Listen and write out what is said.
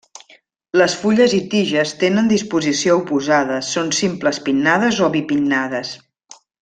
Les fulles i tiges tenen disposició oposada són simples pinnades o bipinnades.